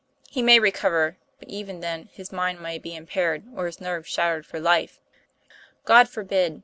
He may recover, but, even then, his mind may be impaired or his nerves shattered for life." "God forbid!"